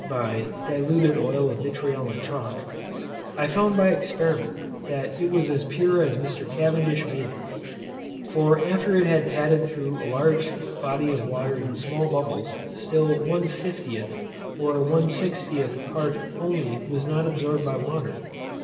by diluted oil of vitriol and chalk) I found by experiment that it was as pure as Mr. Cavendish made it. For after it had patted through a large body of water in small bubbles, still 1/50 or 1/60 part only was not absorbed by water.